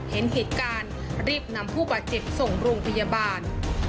เห็นเหตุการณ์รีบนำผู้บาดเจ็บส่งโรงพยาบาล